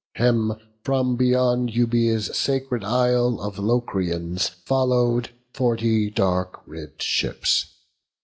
Him from beyond Euboea's sacred isle, Of Locrians follow'd forty dark ribb'd ships.